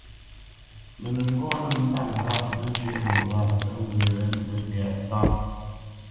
Mə nə́ ŋgɔ́ nə́ mbâp ŋgâʼ mə́ njyə́ ŋo wâ pə́ ŋgwê wé ndǔ tɛ̌sáʼ.